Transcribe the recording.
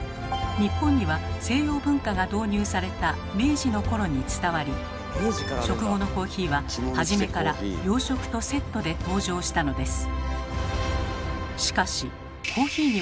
日本には西洋文化が導入された明治の頃に伝わり食後のコーヒーは初めから洋食とセットで登場したのです。